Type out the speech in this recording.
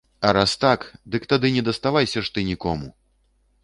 А раз так, дык тады не даставайся ж ты нікому!